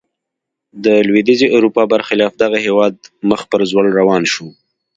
د لوېدیځې اروپا برخلاف دغه هېواد مخ پر ځوړ روان شو.